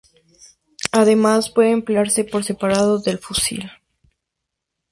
Además, puede emplearse por separado del fusil.